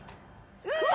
うわ！